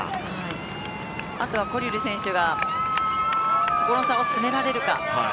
あとはコリル選手がここの差を詰められるか。